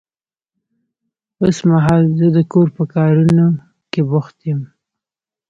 اوس مهال زه د کور په کارونه کې بوخت يم.